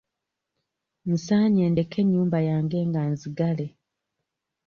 Nsaanye ndeke ennyumba yange nga nzigale.